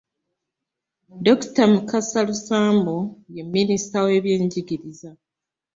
Dr Mukasa Lusambu ye Minisita w'ebyenjigiriza